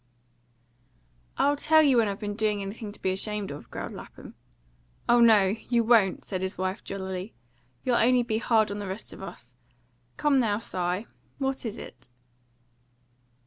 "I'll tell you when I've been doing anything to be ashamed of," growled Lapham. "Oh no, you won't!" said his wife jollily. "You'll only be hard on the rest of us. Come now, Si; what is it?"